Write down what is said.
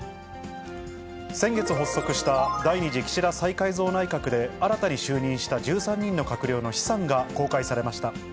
先月発足した第２次岸田再改造内閣で、新たに就任した１３人の閣僚の資産が公開されました。